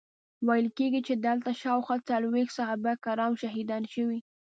ویل کیږي چې دلته شاوخوا څلویښت صحابه کرام شهیدان شوي.